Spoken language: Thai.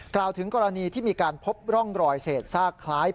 กล่าวถึงกรณีที่มีการพบร่องรอยเศษซากคล้าย